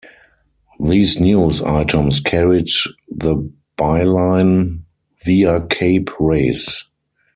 These news items carried the byline "via Cape Race".